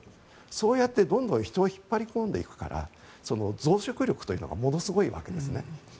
そうやってどんどん人を引っ張り込んでいくから増殖力というのがものすごいわけです。